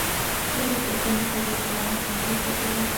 La estación está situada en la zona este de la ciudad.